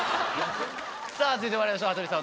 さぁ続いてまいりましょう羽鳥さん